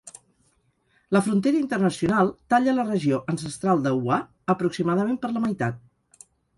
La frontera internacional talla la regió ancestral de Wa aproximadament per la meitat.